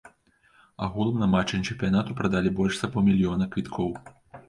Агулам на матчы чэмпіянату прадалі больш за паўмільёна квіткоў.